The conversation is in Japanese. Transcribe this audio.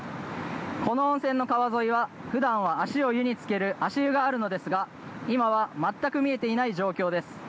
この温泉の川沿いはふだんは足を湯につける足湯があるのですが今は全く見えていない状況です。